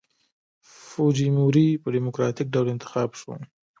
فوجیموري په ډیموکراټیک ډول انتخاب شو.